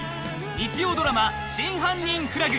日曜ドラマ『真犯人フラグ』